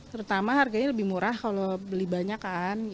terutama harganya lebih murah kalau beli banyak kan